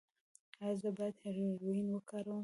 ایا زه باید هیرویین وکاروم؟